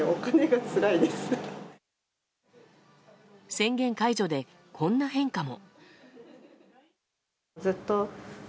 宣言解除で、こんな変化も。